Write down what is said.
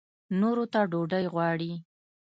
نورو څخه ډوډۍ غواړي.